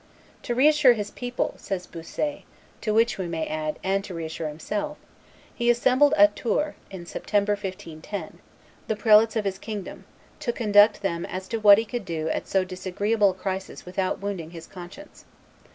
"To reassure his people," says Bossuet (to which we may add, 'and to reassure himself'), "he assembled at Tours (in September, 1510), the prelates of his kingdom, to consult them as to what he could do at so disagreeable a crisis without wounding his conscience.